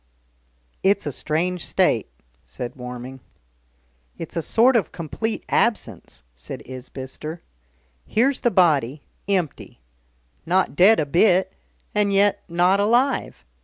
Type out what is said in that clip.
"It's a strange state," said Warming. "It's a sort of complete absence," said Isbister. "Here's the body, empty. Not dead a bit, and yet not alive.